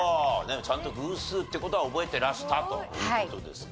ちゃんと偶数って事は覚えてらしたという事ですね。